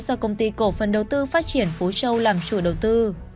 do công ty cổ phần đầu tư phát triển phú châu làm chủ đầu tư